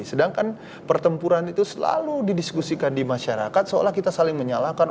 sedangkan pertempuran itu selalu didiskusikan di masyarakat seolah kita saling menyalahkan